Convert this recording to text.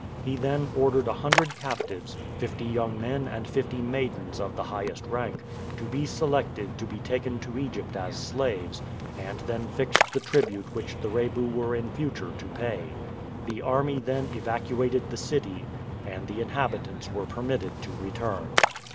He then ordered a hundred captives fifty young men and fifty maidens of the highest rank to be selected to be taken to Egypt as slaves, and then fixed the tribute which the Rebu were in future to pay. The army then evacuated the city and the inhabitants were permitted to return.